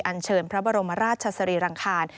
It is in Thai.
อัญเชิญพระบรมราชชาศรีรังคาร